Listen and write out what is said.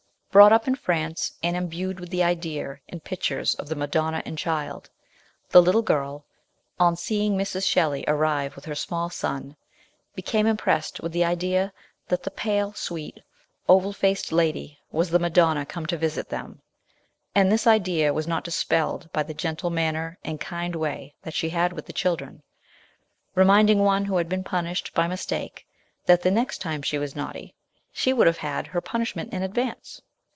Brought up in France and imbued with the idea and pictures of the Madonna and child, the little girl, on seeing Mrs. Shelley arrive with her small son, became impressed with the idea that the pale, sweet, oval faced lady was the Madonna come to visit them ; and this idea was not dispelled by the gentle manner and kind way that she had with the children, remind ing one who had been punished by mistake that the next time she was naughty she would have had her punishment in advance.